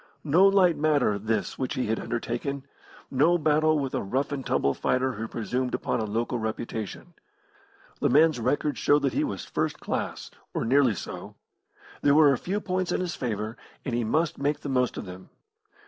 No light matter this which he had undertaken; no battle with a rough and tumble fighter who presumed upon a local reputation. The man's record showed that he was first class or nearly so. There were a few points in his favour, and he must make the most of them.